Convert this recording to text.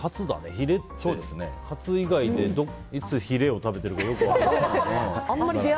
ヒレってカツ以外でいつヒレを食べてるかよく分からない。